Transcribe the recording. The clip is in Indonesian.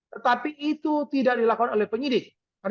tetapi itu tidak dilakukan oleh penyidik